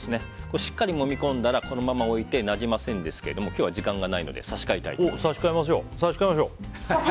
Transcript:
しっかりもみ込んだらこのまま置いてなじませるんですけど今日は時間がないので差し替えたいと思います。